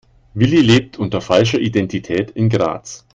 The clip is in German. Willi lebt unter falscher Identität in Graz.